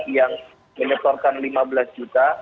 yang menyetorkan lima belas juta